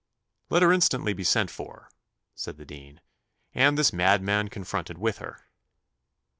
"Let her instantly be sent for," said the dean, "and this madman confronted with her."